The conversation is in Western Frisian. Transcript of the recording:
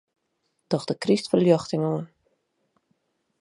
Doch de krystferljochting oan.